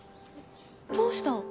どうした？